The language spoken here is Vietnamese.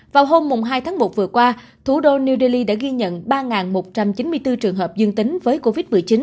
vào hôm hai tháng một vừa qua thủ đô new delhi đã ghi nhận ba một trăm chín mươi bốn trường hợp dương tính với covid một mươi chín